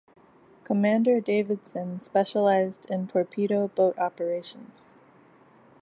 Commander Davison specialized in torpedo boat operations.